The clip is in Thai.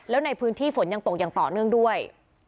แล้วในพื้นที่ฝนยังตกอย่างต่อเนื่องด้วย